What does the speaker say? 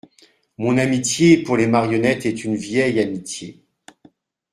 Mon amitié pour les marionnettes est une vieille amitié.